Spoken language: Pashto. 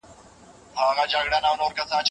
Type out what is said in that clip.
که موږ سياست وپېژنو نو ټولنه به جوړه کړو.